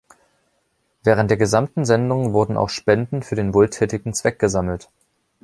Während der gesamten Sendung wurden auch Spenden für den wohltätigen Zweck gesammelt.